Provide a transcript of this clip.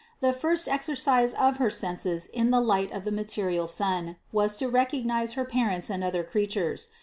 The first exercise of her senses in the light of the material sun, was to recognize her parents and other creatures.